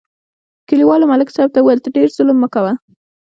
کلیوالو ملک صاحب ته وویل: ډېر ظلم مه کوه